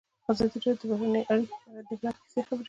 ازادي راډیو د بهرنۍ اړیکې په اړه د عبرت کیسې خبر کړي.